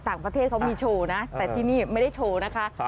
ต่างประเทศเขามีโชว์นะแต่ที่นี่ไม่ได้โชว์นะคะ